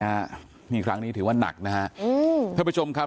อานี่ครั้งนี้ถือว่านักนะคะอืมพระผู้จมครับ